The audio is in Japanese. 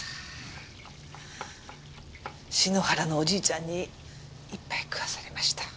篠原のおじいちゃんに一杯食わされました。